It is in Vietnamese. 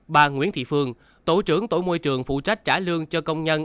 bà nguyễn thị phương tổ trưởng tổ môi trường phụ trách trả lương cho công nhân